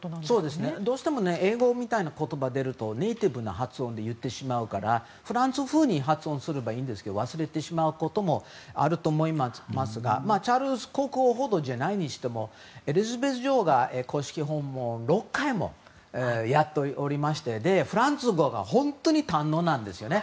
どうしても英語みたいな言葉が出るとネイティブな発音で言ってしまうからフランス風に発音すればいいんですけど忘れてしまうこともあると思いますがチャールズ国王ほどじゃないにしてもエリザベス女王が公式訪問を６回もやっておりましてフランス語が本当に堪能なんですね。